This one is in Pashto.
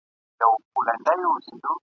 بې مشاله مي رویباره چي رانه سې..